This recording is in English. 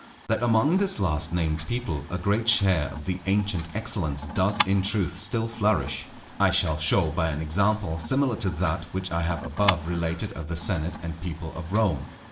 That among this last named people a great share of the ancient excellence does in truth still flourish, I shall show by an example similar to that which I have above related of the senate and people of Rome.